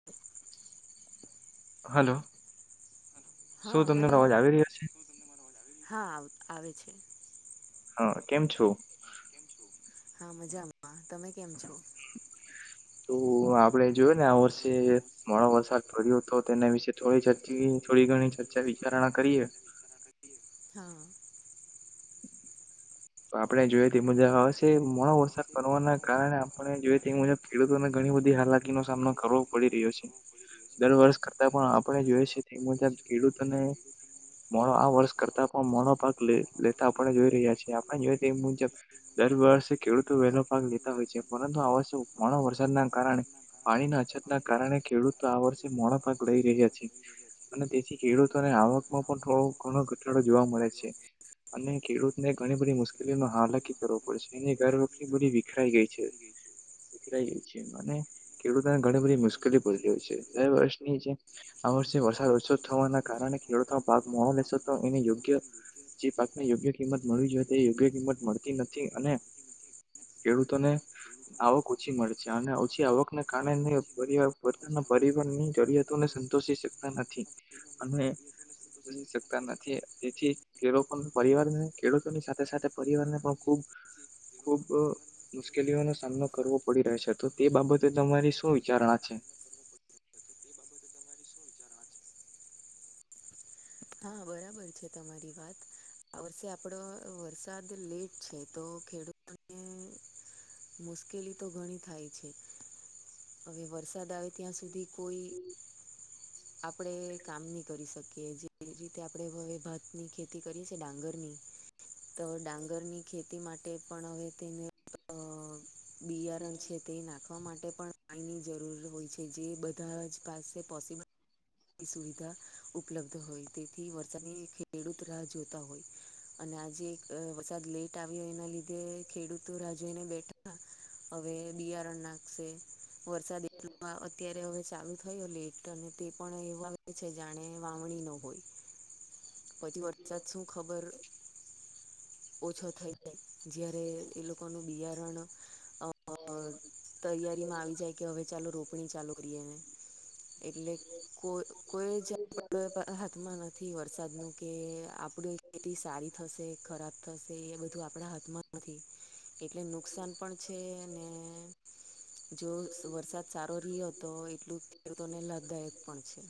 [unintelligible] Hello શું હા તમને અવાજ આવી રહ્યા છે. હા આવ આવે છે. હા કેમ છો. હા મજામાં તમે કેમ છો. તો આપડે જોયું ને આ વર્ષે મોડા વરસાદ થ્યું તો તેના વિશે થોડી ચર્ચી થોડી ઘણી ચર્ચા વિચારણા કરીએ હા. તો આપણે જોઈએ મુજબ હવેશે મોણો વર્સાદ કરવાના કારણે આપણે જોઈએ એ મુજબ ખેડૂતોને ઘણી બધી હાલાકીનો સામનો કરવો પડી રહ્યો છે. દર વર્ષ કરતા પણ આપણે જોઈએ છીએ તે મુજબ ખેડૂતોને મોણો આ વર્ષ કરતા પણ મોણો પાક લેતા આપણે જોઈ રહ્યા છીએ આપણેને જોઈ એ મુજબ. દર વર્ષે ખેડૂતો વહેલો ભાગ લેતા હોય છે પરંતુ આ વર્ષે મોણો વરસાદના કારણે પાણી ના અછત ના કારણે ખેડૂતો આ વર્ષે મોડા ભાગ લઈ રહ્યા છે. અને તેથી ખેડૂતોને આવકમાં પણ થોડો ઘણો ઘટાડો જોવા મળે છે. અને ખેડૂત ને ઘણી બી મુશ્કેલીઓનો હાલ નકી કરવો પડશે એને ઘર વખરી બધી વિખરાઈ ગઈ છે. છે ખેડૂતોને ઘણી બધી મુશ્કેલી પડી રહહી છે દર વર્ષની જે આ વર્ષ વરસાદ ઉસ થવાના કારણે ખેડૂતો પાક માો લેશ તો એને યોગ્ય. જે પાકને યોગ્ય કિંમત મળવી જોઈએ તે યોગ્ય કિંમત મળતી નથી અને ખેડૂતોને. આવક ઓછી મળેશે અને ઓછી આવકને કારણે પોતાના પરિવાર ની જરૂિયાત સંતોષી શકતા નથી અને શકતા નથી તેથી ખેડ પરિવાર ખેડૂતોની સાથે સાથે સાથે પરિવારને પણ ખૂબ ખૂબ. મુશ્કેલીઓનો સામનો કરવો પડી રહ્યો છે તો તે બાબતે તમારી શું વિચારણા છે. હા બરાબર છે તમારી વાત. આ વર્ષે આપડો વરસાદ લેટ છે તો ખેડૂતોને મુશ્કેલી તો ઘણી થાય છે. હવે વરસાદ આવે ત્યાં સુધી કોઈ આપડે કામ નહી કરી શકીએ. જે જે રીતે આપણે હવે ભાતની ખેતી કરીએ છી ડાંગરની. તો ડાંગરની ખેતી માટે પણ હવે તેને અ બિયારણ છે તે નાખવા માટે પણ પાણીની જરૂર હોય છે જે બધા જ પાસે પોસિબલ સુવિધા ઉપલબ્ધ હોય, તેથી વરસાદની ખેડૂત રાહ જોતા હોય. અને આજે એક વરસાદ લેટ આવ્યો એના લીધે ખેડૂતો રાહ જોઈને બેઠા હવે બિયારણ નાખશે. વરસાદ એટલો અત્યારે હવે ચાલુ થયો લેટ અને તે પણ એવો આવે છે જાણે વાવણી નો હોય. પછી વરસાત શું ખબર ઓછો થઈ જાય. જય્યારે એ લોકોનું બિયારણ અ તૈયારીમાં આવી જાય કે હવે ચાલો રોપણી ચાલુ કરીએને. એટલે કો કોઈ જ આપડ હાથમાં નથી હોત વરસાદનું કે આપની ખેતી સારી થશે, ખરાબ થશે એ બધું આપણા હાથમાં નથી. કેટલું નુકસાન પણ છે અને જો વરસાદ સારો રહ્યો તો એટલું ખેડૂતોને લાભદાયક પણ છે.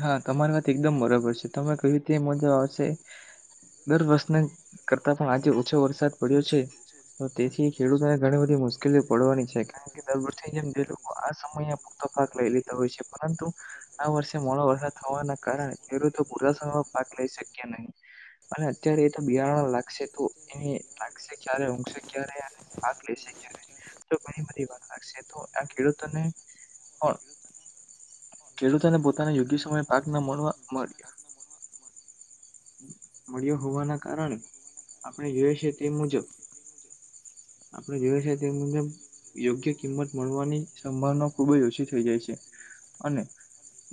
હા તમારી વાત એકદમ બરાબર છે. તમે કઈ રીતે મજા આવશે? દર વર્ષના કરતા પણ આજે ઓછો વરસાદ પડ્યો છે. તો તેથી ખેડૂતોને ઘણી બધી મુશ્કેલીઓ પડવાની છે. દર વર્ષની જેમ લોકો આ સમય પુખતો પાક લઈ લીતા હોય છે, પરંતુ આ વર્ષે મોડો વરસાદ થવાના કારણે ખેડૂતો પૂરા સમયમાં પાક લઈ શક્યા નહીં. અને અત્યારે એ તો બિયારા લાગશે તો એને લાગશે ક્યારે ઊંશે ક્યારે પાક લેશે ક્યારે તો ઘણી બધી વાત લાગશે, તો આ ખેડૂતોને ખેડૂતોને પોતાના યોગ્ય સમયે પાક ન મળવા મળ મળ્યો હોવાના કારણે આપણે જોઈ છે તે મુજબ. આપણે જોઈએ તે મુજબ યોગ્ય કિંમત મળવાની સંભાવના ખુબ જ ઓછી થઈ જાય છે અને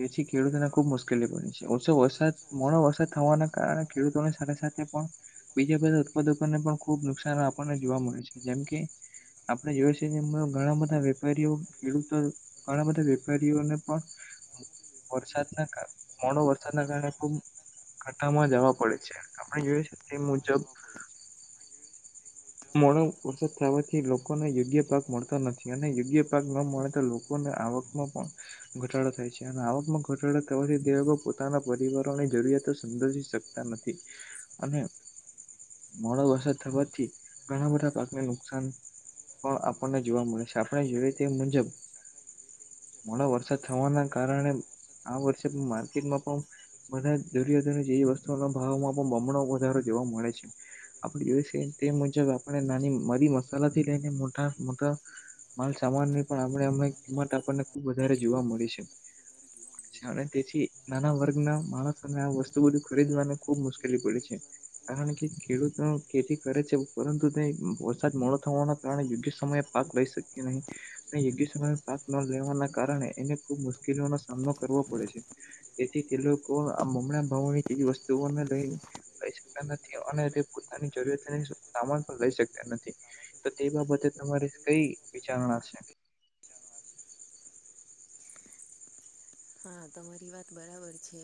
જેથી ખેડૂતોને ખુબ મુશ્કેલી પડી છે. ઓછો વરસાદ મોડો વરસાદ થવાના કારણે ખેડૂતોની સાથે સાથે પણ બીજા બધા ઉત્પાદકો ને પણ ખુબ નુકસાન આપણને જોવા મળે છે. જેમ કે આપણે જોએ છે કે ઘણા બધા વેપારીઓ, ખેડૂતો ઘણા બધા વેપારીઓને પણ વરસાદના કારને મોડો વરસાદના કારણે ખુબ કાટામાં જવા પડે છે, આપણે જોય છે તે મુજબ મોડો વરસાદ થવાથી લોકોને યોગ્ય પાક મળતો નથી અને યોગ્ય પાક ન મળે તો લોક કોને આવકમાં પણ ઘટાડો થાય છે અને આવકમાં ઘટાડો થવાથી દે પોતાના પરિવારોની જરૂરિયાતો સમ ની શ નથી અને મોણો વરસા થવાથી ઘણા બધા પાકને નુકસાન પણ આપણને જોવા મળે છે આપણે જોયએ તે મુજબ મોડો વરસાદ થવાના કારણે આ વર્ષે માર્કેટમાં પણ બધા જરૂરિયાની જેવી વસ્તુઓના ભાવમાં પણ બમણો વધારો જોવા મળે છે. આપણે જો તે મુજબ આપણે નાની મારી મસાલા થી લઈને મોટા મોટા માલ સામાન ની પણ આપણે અમે કિંમત આપણને ખુબ વધારે જોવા મળે છે. અને તેથી નાના વર્ગ ના માણસોને આ વસ્તુ બધું ખરીદવાને ખુબ મુશ્કેલી પડી છે. કારણ કે ખેડૂતોનો કેેતી કરે છે પરંતુ તે વરસાદ મોડો થવાના કારણે યોગ્ય સમયે પાક લઈ શકીએ નહીં. અને યોગ્ય સમય પાક ન લેવાના કારણે એને ખુબ મુશ્કેલીઓનો સામનો કરવો પડે છે. તેથી તે લોકો આ મમણાં ભાવની જેવી વસ્તુઓને લઈન કહી શકતા નથી અને તે પોતાની જરૂરિયાત સામાન પણ લઈ શકતા નથી તો તે બાબતે તમારે કઈ વિચારણા છે. હા તમારી વાત બરાબર છે.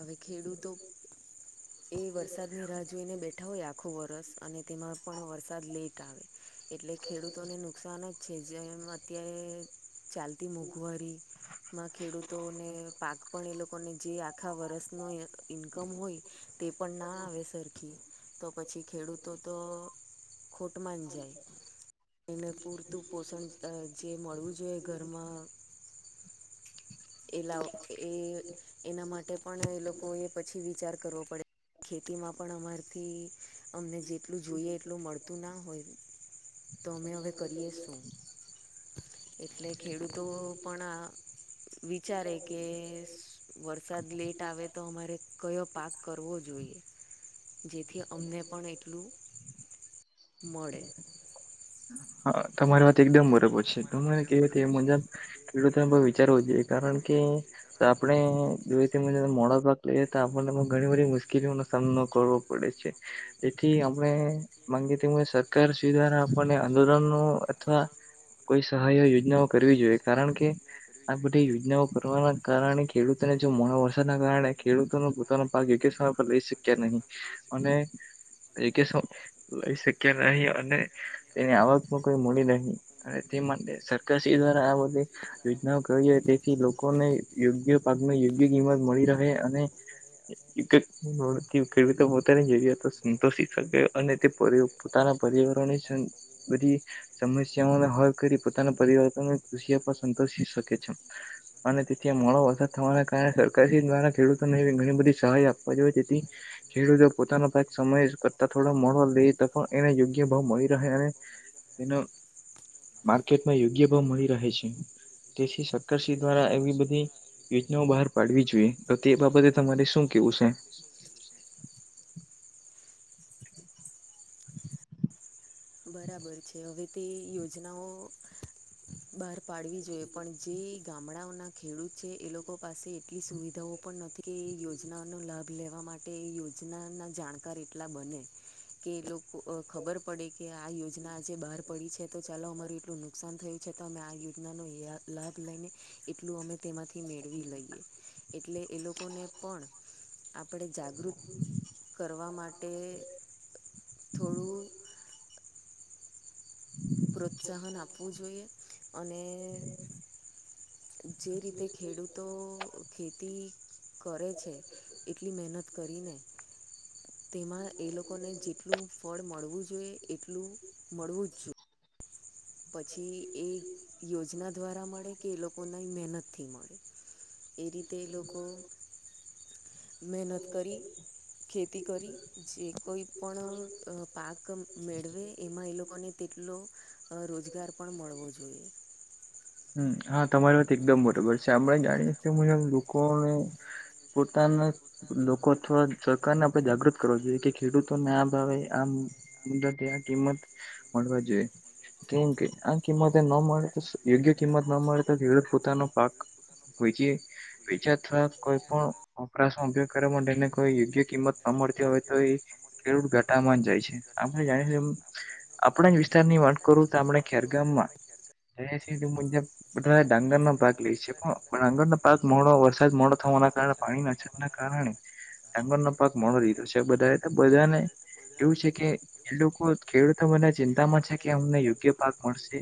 હવે ખેડૂતો એ વરસાદની રાહ જોઈને બેઠા હોય આખું વરષ. અને તેમાં પણ વરસાદ લેટ આવે એટલે ખેડૂતોને નુકસાન જ છે. જેમ અત્યારે ચાલતી મોંઘવારી મા ખેડૂતોને પાક પણ એ લોકોને જે આખા વર્ષમાં ઇન્કમ હોય તે પણ ના આવે સરખી તો પછી ખેડૂતો તો ખોટમાં જ જાય એને પૂરતું પોષણ અ જે મળવું જોઈએ ઘરમાં એ લાવ એ એના માટે પણ એ લોકો એ પછી વિચાર કરવો પડે. ખેતીમાં પણ અમારથી અમને જેટલું જોઈએ એટલું મળતું ના હોય. તો અમે હવે કરીએ શું એટલે ખેડૂતો પણ આ વિચારે કે વરસાદ લેટ આવે તો અમારે કયો પાક કરવો જોઈએ. જેથી અમને પણ એટલું મળે. હા તમારી વાત એકદમ બરોબર છે તને કેવી મુજબ ખેડૂતોને વિચારવો જ જોઈએ કારણ કે તો આપણે જોઈ મોડા પાક લઈએ તો આપણને ઘણી બધી મુશ્કેલીઓનો સામનો કરવો. પડે છે એથી આપને માંગી સરકાર સુધા આપણને. આંદોલન અથવા કોઈ સહાય યોજનાઓ કરવી જોઈએ કારણ કે આ બધી યોજનાઓ કરવાના કારણે ખેડૂતોને જો મોડા વરસાદના કારણે ખેડૂતોનું પોતાનો ભાગ્ય કે પર લઈ શક્યા નહી અને એ કે શું લઈ શક્યા નહી અને તેની આવકનું કોઈ મૂડી નહી અને તે માટે સરકાર શ્રી દ્વારા આ બધી યોજનાઓ કરી હોય તેથી લોકોને યોગ્ય પાકને યોગ્ય કિંમત મળી રહે અને ખેડૂતો પોતાની જગ્યાતો સંતોષી શકે અને તે પર પોતાના પર્યાવરણની બધી સમસ્યાઓને હલ કરી પોતાના પરિવર્તનો પર સંતોષી શકે છે. અને તેથી મોડો વરસાદ થવાના કારણે સરકાર શી દ્વારા ખેડૂતોને ઘણી બધી સહાય આપવા જોઈએ તેથી ખેડૂતો પોતાનો પાક સમય કરતા થોડા મળવા લઈ તો એને યોગ્ય ભાવ મળી રહે અને એનો માર્કેટમાં યોગ્ય ભાવ મળી રહે છે. તેથી સરકારશ્રી દ્વારા એવી બધી. યોજનાઓ બહાર પાડવી જોઈએ તો તે બાબતે તમારે શું કેવું છે? બરાબર છે. હવે તે યોજનાઓ બહાર પાડવી જોઈએ પણ જે ગામડાઓના ખેડૂત છે એ લોકો પાસે એટલી સુવિધાઓ પણ નથી કે એ યોજનાનો લાભ લેવા મા માટે યોજનાના જાણકાર એટલા બને કે એ લોકો ખબર પડે કે આ યોજના આજે બાર પડી છે તો ચાલો અમારું એટલું નુકસાન થયું છે તો અમે આ યોજનાનું હયા લાભ લઈને એટલું અમે તેમાંથી મેળવી લઈએ. એટલે એ લોકોને પણ આપણે જાગૃત કરવા માટે થોડું પ્રોત્સાહન આપવું જોઈએ અને જે રીતે ખેડૂતો ખે તી કરે છે એટલી મહેનત કરીને તેમાં એ લોકોને જેટલું ફળ મળવું જોઈએ એટલું મળવું જ જો પછી એ યોજના દ્વારા મળે કે એ લોકોના મહેનતથી મળે. એ રીતે એ લોકો. મહેનત કરી. ખેતી કરી જે કોઈ પણ અ પાક મેળવે એમાં એ લોકોને તેટલો અ રોજગાર પણ મળવો જોઈએ. હમ્મ હા, તમારી વાત એકદમ બરોબર છે આપણે જાણી શકીએ મુજબ લોકોને પોતાના લોકો અથવા સરકારને આપડે જાગૃત કરવો જોઈએ કે ખેડૂતોને આ ભાવે આમ મુદ્દા ત્યા આં કિંમત મળવા જોઈએ. કે એમ કે આ કિંમતે ન મળે તો યોગ્ય કિંમત ન મળે તો ખેડૂત પોતાનો પાક બીજી બીજા અથવા કોઈ પણ વપરાશમાં ઉપયોગ કરવા માટે એને કોઈ યોગ્ય કિંમત ન મળતી હોય તો એ ખેડૂત ઘટામાં જાય છે આપણે જાણી આપણા જ વિસ્તારની વાત કરું તો આપણે ખેરગામમાં જઈએ છીએ તે મુજબ બધા ડાંગરનો ભાગ લે છે પણ ડાંગરનો પાક મોડો વરસાદ મોડો થવાના કારણે પાણીના અછ કારણે ડાંગરનો પાક મોરો દીધો છે બધાએ તો બધાને એવું છે કે એ લોકો ખેડૂતો મને ચિંતામાં છે કે અમને યોગ્ય પાક મળશે.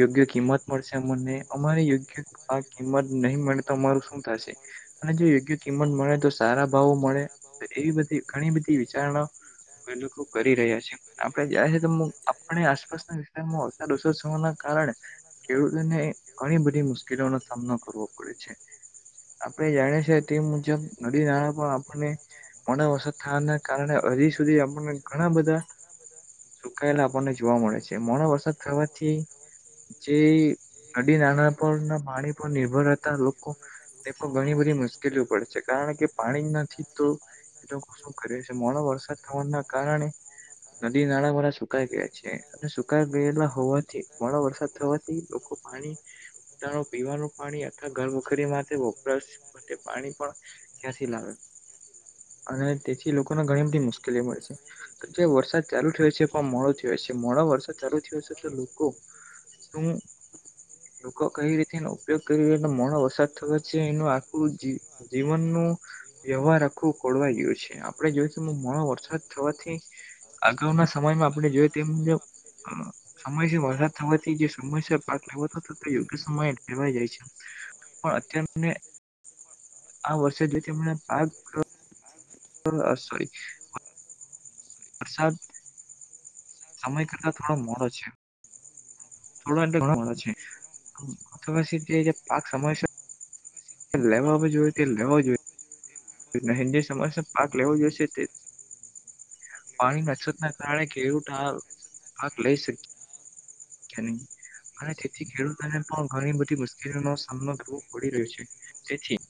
યોગ્ય કિંમત મળશે અમને અમારી યોગ્ય આ કિંમત નહીં મળે તો અમારું શું થશે. અને જો યોગ્ય કિંમત મળે તો સારા ભાવો મળે એવી બધી ઘણી બધી વિચારણા આ લોકો કરી રહ્યા છે. આપણે જયા છીએ તો આપણી આસપાસના વિસ્તારમાં વરસાદ ઓસ થવાના કારણે ખેડૂતોને ઘણી બધી મુશ્કેલીઓનોો સામનો કરવો પડે છે. આપણે જાણીએીએ તે મુજબ નદી નાણા પણ આપણને પણ વસત થવાના કારણે હજી સુધી આપને ઘણા બધા [inaudible] સુકાયેલા આપણને જોવા મળે છે મોડાો વરસાદ થવાથી જે નદી નાના પર ના પાણી પર નિર્ભરતા લોકો એ તો ઘણી બધી મુશ્કેલીઓ પડ છે કારણ કે પાણી નથી તો શું કર છે મોડો વરસાદ થવાના કારણે નદી નાણાં મોડાા સુકાઈ ગયા છે અને સુકાઈ ગયેલા હોવાથી મોણો વરસાદ થવાથી લોકો પાણી પીવાનું પાણી અવા ઘરમખરી માટે વપરાશ માટે પાણી પણ ત્યાંથી લાવે અને તેથી લોકોને ઘણી બધી મુશ્કેલીઓ મળે છે. જે વરસાદ ચાલુ થયો છે પણ મોડો થયો છે મોડો વરસાદ ચાલુ થયો છે તો લોકો હમ્મ. [inaudible] લોકો કઈ રીતે એનો ઉપયોગ કરી એ મોડો વરસાદ થયો છે એનું આખું જી જીવનનું વ્યવહાર આખવું ખોળવાઈ ગયું છે આપડે જોઈશું મોણો વરસાદ થવાથી અગાઉના સમયમાં આપણે જોઈએ તે મુજબ સમયસમ વરસાદ થવા સમ પાક લ યોગ્ય સમયવાઈ જાય છે પણ અત્યાર આ વરસાદ જો તેમ પાક હ અસર [inaudible] વરસાદ [inaudible] સમય કરતા થોડો મોડો છે. [inaudible] થોડો એલે ઘણા વાો છેી પાક સમય [inaudible] એલ્લેમાં જોઈએ એલે વા જોઈએ જો નહી, નને સમસ પાક લેવો જોશે તે પાણીની અછત ના કારણે ખેડૂત આ પાક લઈ શકીએ હા કને અને તેથી ખેડૂતોને પણ ઘણી બધી મુશ્કેલીનો સામનો કરવો પડી રહ્યો છે. તેથી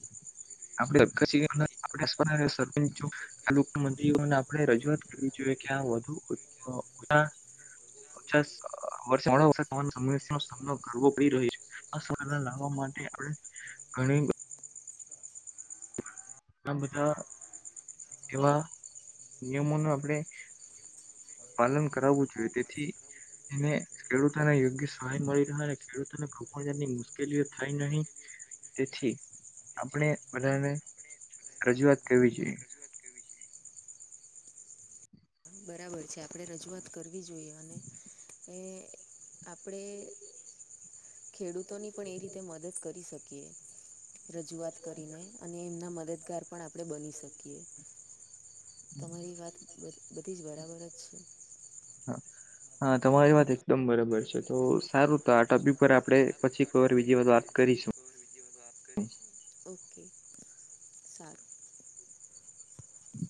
આપડી આપણે સરચ તાલુકા મંદ્રીઓને આપડણે રજૂઆત કરવી જોઈએ કે આ વધુ તો ઉતા પચ્છ વર્ષ વ તમા સમ્યા નો સામનો કરવો પડી રહ્યો છે. આ સ લાવવા માટે આપણે ઘણી તો હ બધા હા એવા નિયમો ન આપણેે પાલન કરાવવું જોઈએ તેથી એને ખેડૂતોને યોગ્ય સહાય મળી રહ્યો અને ખેડૂતોને કોપણ જાતની મુશ્કેલીઓ થાય નહી તેથી આપણે બધાને રજૂઆત કરવી જોઈએ. બરાબર છે આપણે રજૂઆત કરવી જોઈએ અને એ આપણે ખેડૂતોની પણ એ રીતે મદદ કરી શકીએ રજૂઆત કરીને અને એમના મદદગાર પણ આપણે બની શકીએ તમારી વાત બ બધી જ બરાબર જ છે. હા હા તમારી વાત એકદમ બરાબર છે તો સારું તો આ ટોપિક પર આપડે પછીર બીજી વાત વાત કરીશું ઓકે સાત હમ